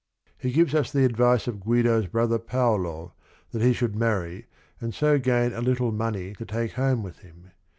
He gives us the advice of Guido's brother Paolo that he should marry and so gain a little money to take home with him.